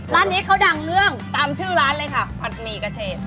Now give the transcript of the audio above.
ร้านนี้เขาดังเรื่องตามชื่อร้านเลยค่ะผัดหมี่กระเชษ